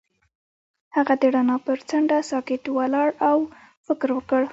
هغه د رڼا پر څنډه ساکت ولاړ او فکر وکړ.